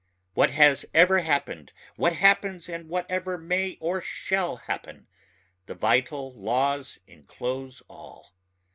What has ever happened ... what happens and whatever may or shall happen, the vital laws enclose all